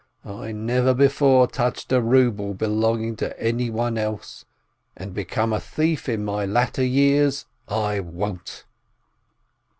I never before touched a ruble belonging to anyone else, and become a thief in my latter years I won't